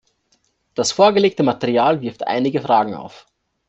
Das vorgelegte Material wirft einige Fragen auf.